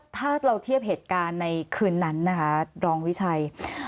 ถ้าเราเทียบเหตุการณ์ในคืนนั้นนะคะรองวิชัย